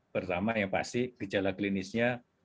pertama yang pasti gejala klinisnya